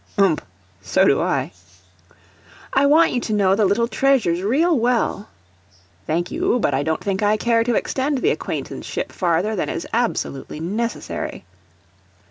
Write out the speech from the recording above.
[Ump so do I.] I want you to know the little treasures real well. [Thank you, but I don't think I care to extend the acquaintanceship farther than is absolutely necessary.